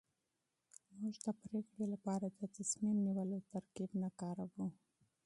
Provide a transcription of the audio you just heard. موږ د پرېکړې لپاره د تصميم نيولو ترکيب نه کاروو.